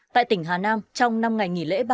tại tỉnh hà nam trong năm ngày nghỉ lễ